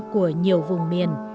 của nhiều vùng miền